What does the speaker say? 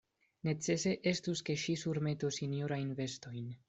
Necese estus, ke ŝi surmetu sinjorajn vestojn.